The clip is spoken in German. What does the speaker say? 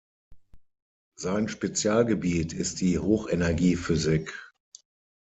Sein Spezialgebiet ist die Hochenergiephysik.